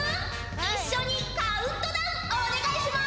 一緒にカウントダウンお願いします。